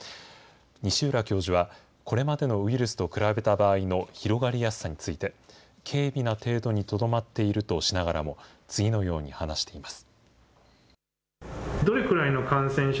西浦教授は、これまでのウイルスと比べた場合の広がりやすさについて、軽微な程度にとどまっているとしながらも、次のように話しています。